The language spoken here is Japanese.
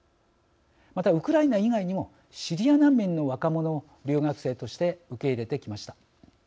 また、ウクライナ以外にもシリア難民の若者を留学生として受け入れてきました。